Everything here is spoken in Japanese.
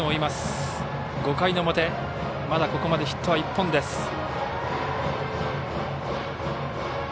まだここまでヒットは１本です。